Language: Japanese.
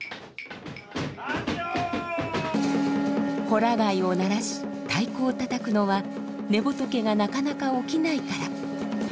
ほら貝を鳴らし太鼓をたたくのは寝仏がなかなか起きないから。